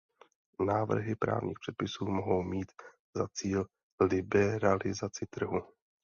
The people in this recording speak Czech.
Návrhy právních předpisů mohou mít za cíl liberalizaci trhu.